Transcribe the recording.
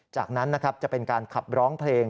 จากนั้นนะครับจะเป็นการขับร้องเพลง